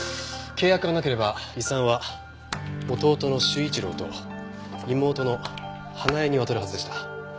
契約がなければ遺産は弟の修一郎と妹の英恵に渡るはずでした。